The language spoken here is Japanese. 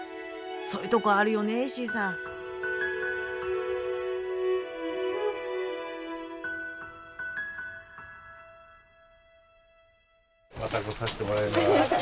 そういうとこあるよね石井さん。また来させてもらいます。